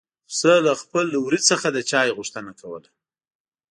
پسه له خپل وړي څخه د چای غوښتنه کوله.